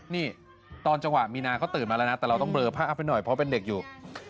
นี่ตอนจังหวะมีนาเขาตื่นมาแล้วนะแต่เราต้องเลอภาพให้หน่อยเพราะเป็นเด็กอยู่